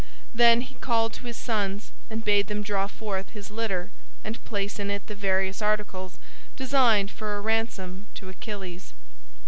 Then he called to his sons and bade them draw forth his litter and place in it the various articles designed for a ransom to Achilles.